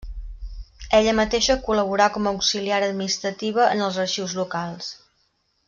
Ella mateixa col·laborà com a auxiliar administrativa en els arxius locals.